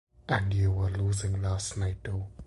And you were losing last night too.